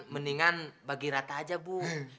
mendingan bagi rata aja bu